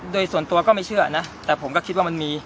โดยส่วนตัวก็ไม่เชื่อนะแต่ผมก็คิดว่ามันมี